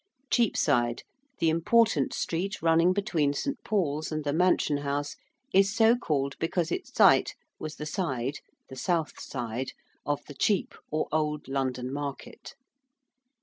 ~Cheapside~: the important street running between St. Paul's and the Mansion House is so called because its site was the side the south side of the Chepe, or old London market.